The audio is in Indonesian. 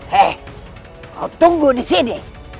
hei kau tunggu disini